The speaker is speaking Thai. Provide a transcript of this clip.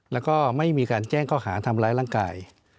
แล้วก็ไม่มีการแจ้งข้อหาทำร้ายร่างกาย